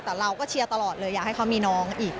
แต่เราก็เชียร์ตลอดเลยอยากให้เขามีน้องอีก